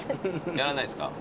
やらないですか？